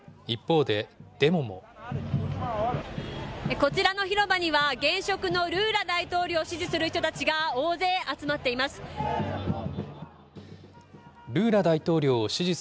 こちらの広場には、現職のルーラ大統領を支持する人たちが大勢集まっています。